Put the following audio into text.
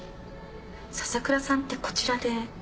笹倉さんってこちらで？